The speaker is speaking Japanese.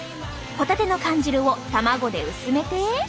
ホタテの缶汁を卵で薄めて。